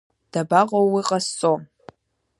Дабаҟоу уи ҟазҵо?!